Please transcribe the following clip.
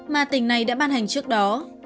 mà tỉnh này đã ban hành trước đó